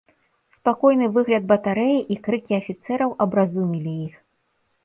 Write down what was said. Спакойны выгляд батарэі і крыкі афіцэраў абразумілі іх.